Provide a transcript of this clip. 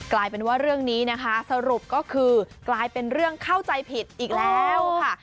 กลายเป็นว่าเรื่องนี้นะคะสรุปก็คือกลายเป็นเรื่องเข้าใจผิดอีกแล้วค่ะ